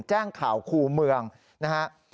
แจ้งข่าวคู่เมืองนะฮะ